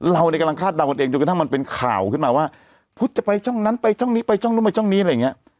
เราเนี่ยกำลังคาดเดากันเองจนกระทั่งมันเป็นข่าวขึ้นมาว่าพุทธจะไปช่องนั้นไปช่องนี้ไปช่องนู้นไปช่องนี้อะไรอย่างเงี้ย